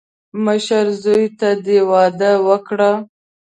مشر زوی ته دې واده وکړه.